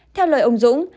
theo lời ông dũng